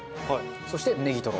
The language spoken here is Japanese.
そしてねぎとろ。